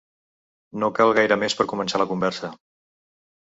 No cal gaire més per començar la conversa.